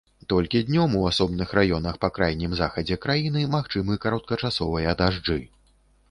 Толькі днём у асобных раёнах па крайнім захадзе краіны магчымы кароткачасовыя дажджы.